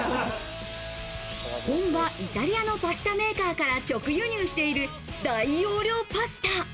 本場イタリアのパスタメーカーから直輸入している大容量パスタ。